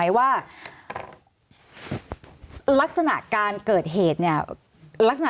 สวัสดีครับทุกคน